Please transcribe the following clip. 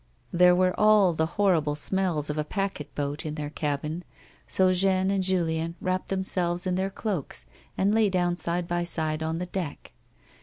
There were all the horrible smells of a packet boat in their cabin, so Jeanne and Julien wrapped themselves in tlieir cloaks and lay down side by side on deck.